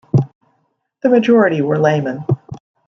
The majority were laymen.